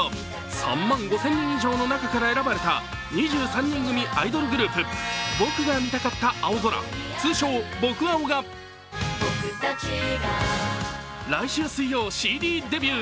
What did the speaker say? ３万５０００人以上の中から選ばれた２３人組アイドルグループ、僕が見たかった青空、通称・僕青が来週水曜、ＣＤデビュー。